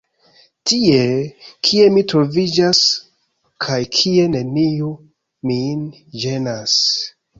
Tie, kie mi troviĝas kaj kie neniu min ĝenas.